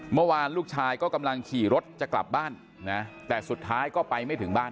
เมื่อวานลูกชายก็กำลังขี่รถจะกลับบ้านนะแต่สุดท้ายก็ไปไม่ถึงบ้าน